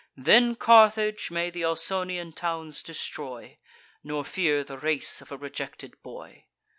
Then Carthage may th' Ausonian towns destroy, Nor fear the race of a rejected boy.